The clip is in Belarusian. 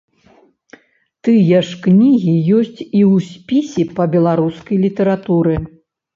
Тыя ж кнігі ёсць і ў спісе па беларускай літаратуры.